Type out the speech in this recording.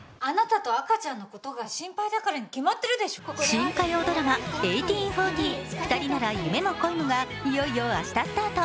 新火曜ドラマ「１８／４０ふたりなら夢も恋も」がいよいよ明日スタート。